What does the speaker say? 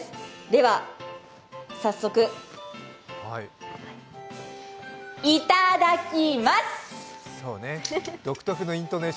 では、早速いただきます！